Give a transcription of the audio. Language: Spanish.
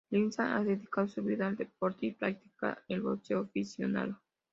Lindsay ha dedicado su vida al deporte y practica el boxeo aficionado.